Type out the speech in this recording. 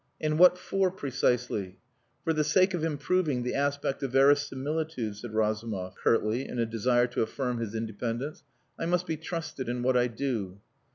And what for precisely?" "For the sake of improving the aspect of verisimilitude," said Razumov curtly, in a desire to affirm his independence. "I must be trusted in what I do."